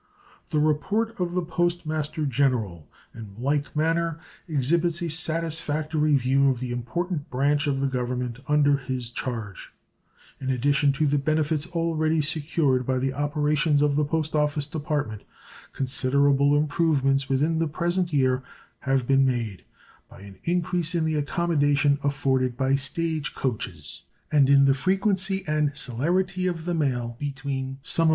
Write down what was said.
The report of the Post Master General in like manner exhibits a satisfactory view of the important branch of the Government under his charge. In addition to the benefits already secured by the operations of the Post Office Department, considerable improvements within the present year have been made by an increase in the accommodation afforded by stage coaches, and in the frequency and celerity of the mail between some of the most important points of the Union.